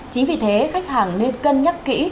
chính vì thế khách hàng nên cân nhắc kỹ